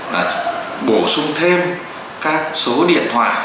và bổ sung thêm các số điện thoại